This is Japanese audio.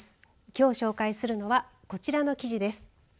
きょう紹介するのはこちらの記事です。